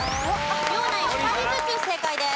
両ナイン２人ずつ正解です。